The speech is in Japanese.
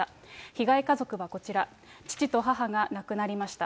被害家族はこちら、父と母が亡くなりました。